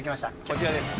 こちらです。